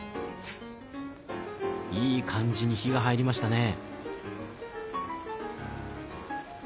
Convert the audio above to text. いい感じに火が入りましたね。